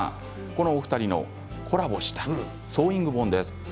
この２人のコラボしたソーイング本です。